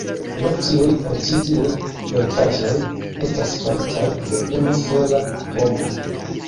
Do, ĉiuj el ĉi tiuj pentraĵoj estas faritaj de unu sola homo